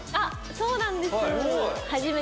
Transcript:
そうなんです！